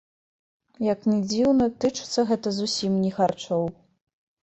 Як ні дзіўна, тычыцца гэта зусім не харчоў.